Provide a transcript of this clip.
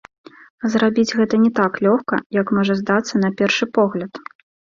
А зрабіць гэта не так лёгка, як можа здацца на першы погляд.